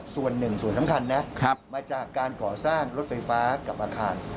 ส่วนหนึ่งส่วนสำคัญนะมาจากการก่อสร้างรถไฟฟ้ากับอาคาร